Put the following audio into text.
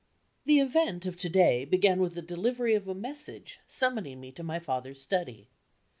The event of to day began with the delivery of a message summoning me to my father's study.